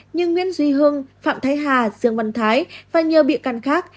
như nguyễn duy hưng phạm thái hà dương văn thái và nhiều bị can khác